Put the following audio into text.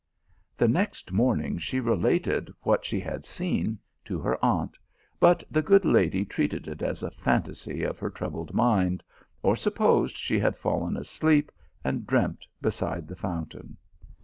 The next morning, she related what she had seen to her aunt, hut the good lady treated it as a fantasy of her troubled mind, or supposed she had fallen asleep and dreamt beside the fountain.